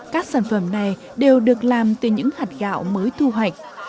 các sản phẩm này đều được làm từ những hạt gạo mới thu hoạch